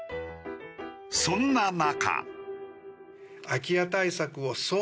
そんな中。